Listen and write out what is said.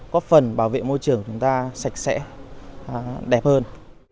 có phần bảo vệ môi trường chúng ta sạch sẽ đẹp hơn